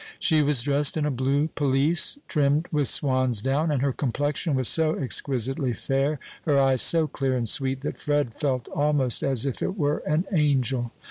She was dressed in a blue pelisse, trimmed with swan's down, and her complexion was so exquisitely fair, her eyes so clear and sweet, that Fred felt almost as if it were an angel.